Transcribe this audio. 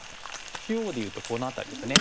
中央で言うとこの辺りですよね。